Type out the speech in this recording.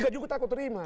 tiga juta aku terima